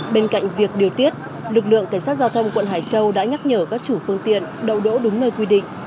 bên cạnh việc điều tiết lực lượng cảnh sát giao thông quận hải châu đã nhắc nhở các chủ phương tiện đậu đỗ đúng nơi quy định